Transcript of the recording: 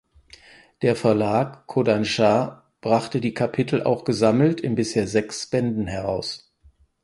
Der Verlag Kodansha brachte die Kapitel auch gesammelt in bisher sechs Bänden heraus.